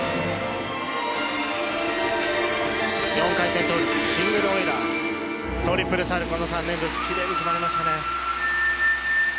４回転トゥループシングルオイラートリプルサルコウの３連続奇麗に決まりましたね。